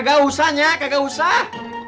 gak usah ya kagak usah